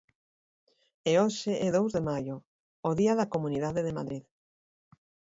E hoxe é Dous de Maio, o día da Comunidade de Madrid.